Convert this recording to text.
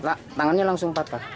lah tangannya langsung patah